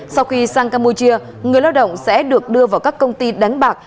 sau khi sang campuchia người lao động sẽ được đưa vào các công ty đánh bạc